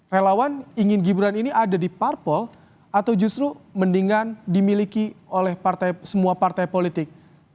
relawan ingin gibran ini ada di parpol atau justru mendingan dimiliki oleh semua partai politik